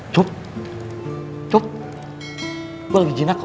cup cup gua lagi jinak kok